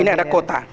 ini ada kota